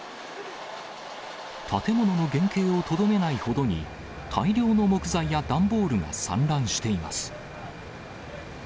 建物の原形をとどめないほどに、大量の木材や段ボールが散乱しています。